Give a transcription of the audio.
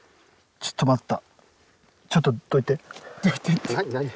ちょっと待った！